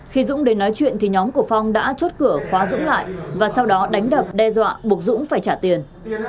khi dũng đến nói chuyện thì nhóm của phong đã chốt cửa khóa dũng lại và sau đó đánh đập đe dọa buộc dũng phải trả tiền